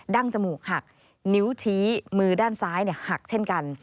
ั้งจมูกหักนิ้วชี้มือด้านซ้ายหักเช่นกัน